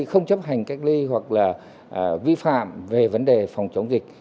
không chấp hành cách ly hoặc là vi phạm về vấn đề phòng chống dịch